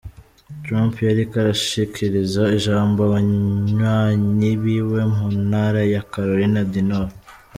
Trump yariko arashikiriza ijambo abanywanyi biwe mu ntara ya Caroline du Nord.